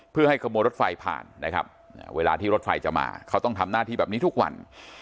เพื่อให้ขโมยรถไฟผ่านนะครับเวลาที่รถไฟจะมาเขาต้องทำหน้าที่แบบนี้ทุกวัน